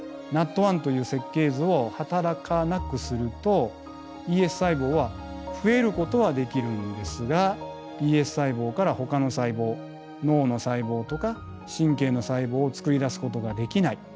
ＮＡＴ１という設計図を働かなくするとＥＳ細胞は増えることはできるんですがＥＳ細胞からほかの細胞脳の細胞とか神経の細胞をつくり出すことができない。